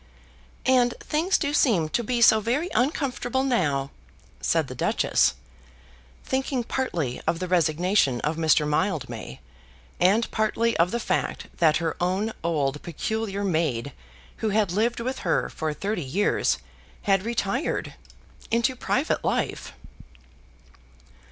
"And things do seem to be so very uncomfortable now," said the Duchess, thinking partly of the resignation of Mr. Mildmay, and partly of the fact that her own old peculiar maid who had lived with her for thirty years had retired into private life.